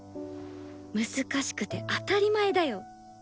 難しくて当たり前だよ。